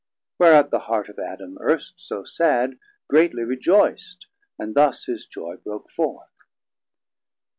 Whereat the heart of Adam erst so sad Greatly rejoyc'd, and thus his joy broke forth.